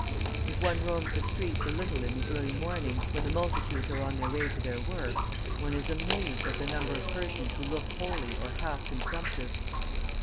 If one roams the streets a little in the early morning, when the multitudes are on their way to their work, one is amazed at the number of persons who look wholly or half consumptive.